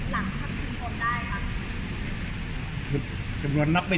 เมื่อก่อนก็จะคุยกับคุณวาทรารักษณะ